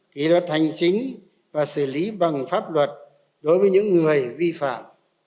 kỷ luật hành chính và xử lý bằng pháp luật đối với những người vi phạm